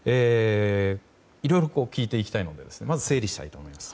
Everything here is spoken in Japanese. いろいろ聞いていきたいのでまず整理したいと思います。